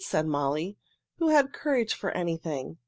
said Molly, who had courage for anything.